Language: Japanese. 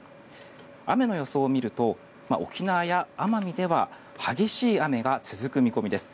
雨の予想を見ると沖縄や奄美では激しい雨が続く見込みです。